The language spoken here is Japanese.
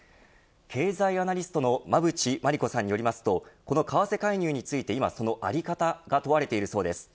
経済アナリストの馬渕磨理子さんによりますとこの為替介入について今、そのあり方が問われているそうです。